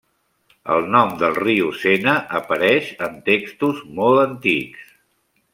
El nom del riu Sena apareix en textos molt antics.